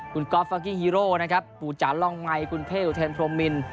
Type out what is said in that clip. คุณก๊อตฟาร์กิ้งฮีโร่นะครับปูจาลร่องมัยคุณเพวเทนโพรมมิล